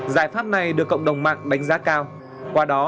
giải pháp này được cộng đồng mạng đánh giá cao